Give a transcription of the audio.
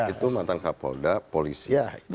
itu mantan kapolda polisi